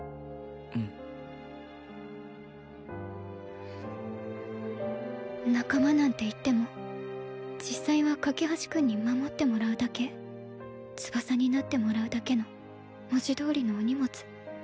うん仲間なんて言っても実際は架橋君に守ってもらうだけ翼になってもらうだけの文字どおりのお荷物